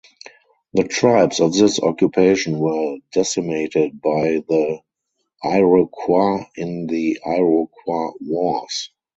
The tribes of this occupation were decimated by the Iroquois in the Iroquois Wars.